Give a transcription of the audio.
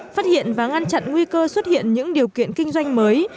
phát hiện và ngăn chặn nguy cơ xuất hiện những điều kiện kinh doanh mới